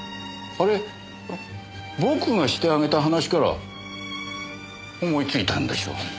あれ僕がしてあげた話から思いついたんでしょう？